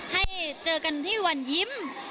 ให้เจอกันที่วันยิ้ม